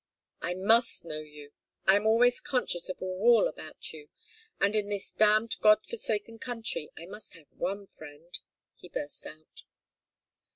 I must know you! I am always conscious of a wall about you and in this damned God forsaken country I must have one friend!" he burst out.